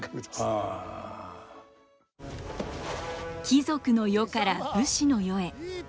貴族の世から武士の世へ。